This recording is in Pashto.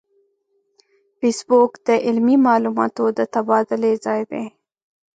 فېسبوک د علمي معلوماتو د تبادلې ځای دی